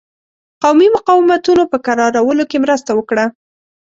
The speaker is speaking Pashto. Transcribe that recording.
قومي مقاومتونو په کرارولو کې مرسته وکړه.